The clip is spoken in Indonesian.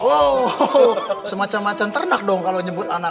wow semacam macam ternak dong kalau nyebut anak